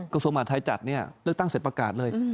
กระทรวงมหาธัยจัดเนี่ยเลือกตั้งเสร็จประกาศเลย